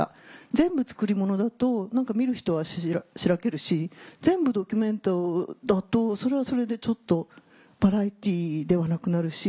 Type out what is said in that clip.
全部作り物だと見る人はしらけるし全部ドキュメントだとそれはそれでちょっとバラエティーではなくなるし。